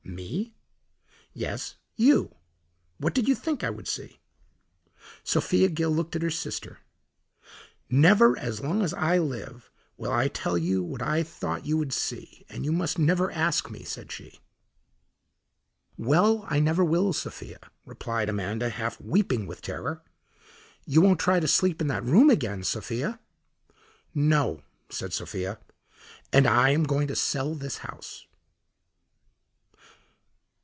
"Me?" "Yes, you. What did you think I would see?" Sophia Gill looked at her sister. "Never as long as I live will I tell you what I thought you would see, and you must never ask me," said she. "Well, I never will, Sophia," replied Amanda, half weeping with terror. "You won't try to sleep in that room again, Sophia?" "No," said Sophia; "and I am going to sell this house."